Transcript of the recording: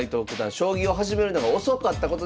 将棋を始めるのが遅かったことでも知られてます。